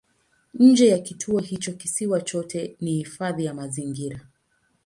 Nje ya kituo hicho kisiwa chote ni hifadhi ya mazingira.